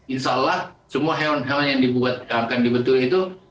insya allah semua hewan hewan yang akan dibetulkan itu